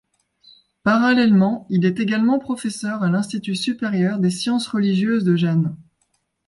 Parallèlement, il est également professeur à l'Institut Supérieur des Sciences religieuses de Gênes.